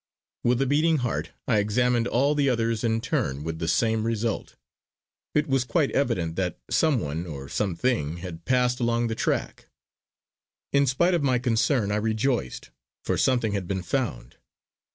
With a beating heart I examined all the others in turn, with the same result. It was quite evident that some one, or some thing had passed along the track. In spite of my concern I rejoiced, for something had been found.